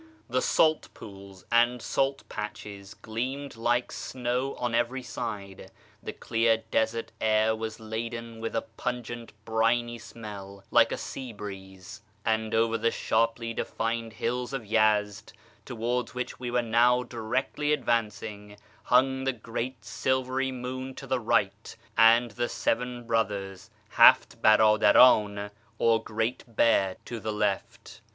The salt pools and salt patches gleamed like snow on every side ; the clear desert air was laden with a pungent briny smell like a sea breeze; and over the sharply defined hills of Yezd, towards which we were now directly advancing, hung the great silvery moon to the right, and the " Seven Brothers " Qiaft hirddardn), or Great Bear, to the left.